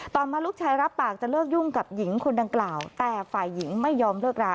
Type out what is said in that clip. ต่อมาลูกชายรับปากจะเลิกยุ่งกับหญิงคนดังกล่าวแต่ฝ่ายหญิงไม่ยอมเลิกรา